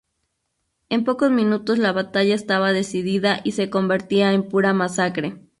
En pocos minutos la batalla estaba decidida y se convertía en pura masacre.